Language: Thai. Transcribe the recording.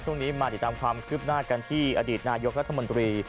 ช่วงนี้มาติดตามความคืบหน้ากันที่อดีตนายกรัฐมนตรี